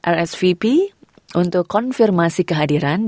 rsvp untuk konfirmasi kehadiran